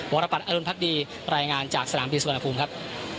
วรรภัณฑ์อรุณพัฒน์ดีรายงานจากสถานพิศวรรณภูมิครับ